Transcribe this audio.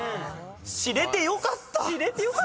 知れてよかった！